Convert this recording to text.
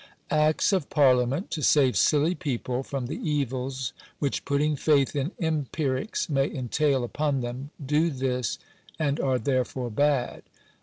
Acts of parliament to save silly people from the evils which putting faith in empirics may entail upon them, do this, and are therefore bad.